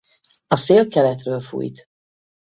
A szél keletről fújt.